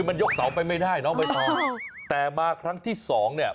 มันยกเสาไปไม่ได้น้องใบตองแต่มาครั้งที่สองเนี่ย